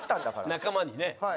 仲間にね。